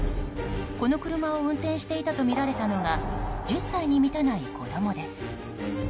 この車を運転していたとみられたのが１０歳に満たない子供です。